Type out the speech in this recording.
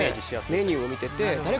メニューを見てて。